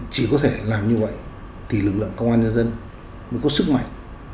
chỉ có thể làm như vậy thì lực lượng công an nhân dân mới có sức mạnh